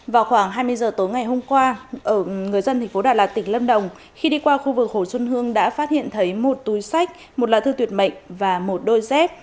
vào khoảng hai mươi giờ tối ngày hôm qua ở người dân thành phố đà lạt tỉnh lâm đồng khi đi qua khu vực hồ xuân hương đã phát hiện thấy một túi sách một lá thư tuyệt mệnh và một đôi dép